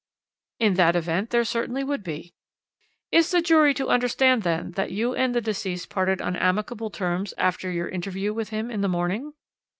"'In that event, there certainly would be.' "'Is the jury to understand, then, that you and the deceased parted on amicable terms after your interview with him in the morning?'